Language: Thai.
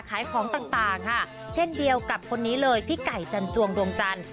ขายของต่างค่ะเช่นเดียวกับคนนี้เลยพี่ไก่จันจวงดวงจันทร์